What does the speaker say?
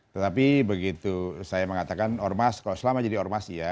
tetapi begitu saya mengatakan ormas kalau selama jadi ormas ya